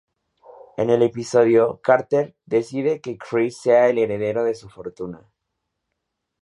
En el episodio, Carter decide que Chris sea el heredero de su fortuna.